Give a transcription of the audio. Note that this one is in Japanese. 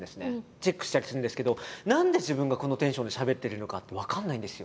チェックしたりするんですけど何で自分がこのテンションでしゃべってるのかって分かんないんですよ。